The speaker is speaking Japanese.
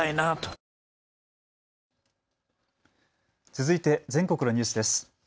続いて全国のニュースです。